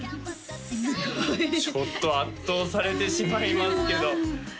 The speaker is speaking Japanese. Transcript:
すごいちょっと圧倒されてしまいますけど永井さん